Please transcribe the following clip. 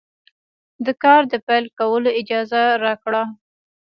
د کار د پیل کولو اجازه راکړه.